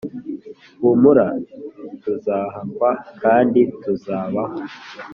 humura tuzahakwa kandi tuzabaho